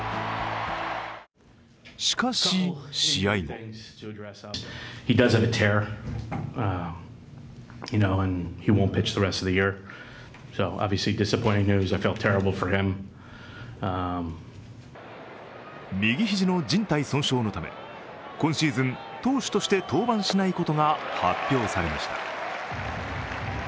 しかし試合後右肘のじん帯損傷のため、今シーズン、投手として登板しないことが発表されました。